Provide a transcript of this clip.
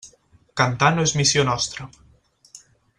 Cantar no és missió nostra.